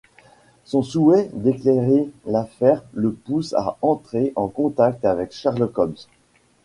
Son souhait d'éclairer l'affaire le pousse à entrer en contact avec Sherlock Holmes.